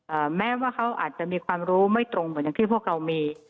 แม้ว่าเขาอาจจะมีความรู้ไม่ตรงเหมือนอย่างที่พวกเรามี